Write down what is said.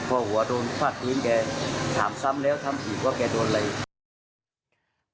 พ่อหัวโดนพลาดกลุ่มแกถามซ้ำแล้วทำผิดว่าแกโดนอะไร